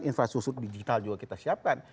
infrastruktur digital juga kita siapkan